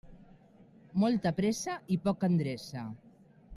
Molta pressa i poca endreça.